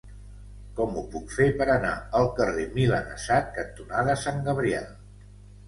Com ho puc fer per anar al carrer Milanesat cantonada Sant Gabriel?